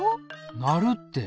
なるって！